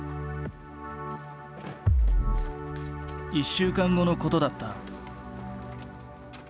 １週間後のことだった。